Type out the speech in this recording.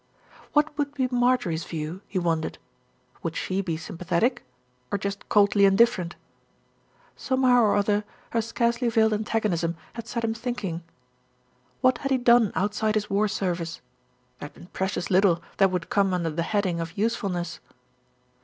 What would be Marjorie's view? he wondered. Would she be sympathetic, or just coldly indifferent? Somehow or other her scarcely veiled antagonism had set him thinking. What had he done outside his war service? There had been precious little that would come under the heading of usefulness.